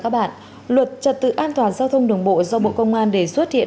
luật trật tự an toàn giao thông đồng bộ do bộ công an đề xuất hiện